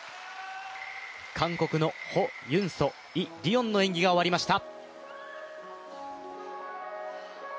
韓国のホ・ユンソ、イ・リヨンの演技が終わりました。